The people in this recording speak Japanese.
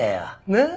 ねっ！